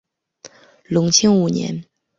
隆庆五年。